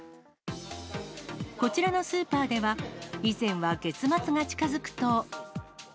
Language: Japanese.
こちらのスーパーでは、以前は月末が近づくと。